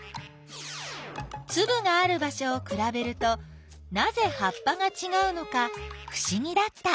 つぶがある場しょをくらべるとなぜ葉っぱがちがうのかふしぎだった。